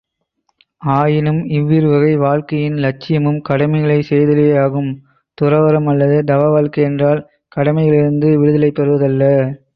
ஆயினும், இவ்விருவகை வாழ்க்கையின் இலட்சியமும் கடமைகளைச் செய்தலேயாகும்.துறவறம் அல்லது தவ வாழ்க்கை என்றால் கடமைகளினின்று விடுதலை பெறுதலல்ல.